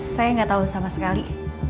saya gak tau sama sekali